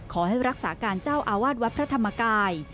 ขอให้รักษาการเจ้าอาวาสวัดพระธรรมกาย